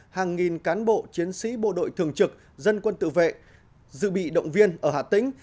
hàng nghìn cán bộ chiến sĩ bộ đội thường trực dân quân tự vệ dự bị động viên ở hà tĩnh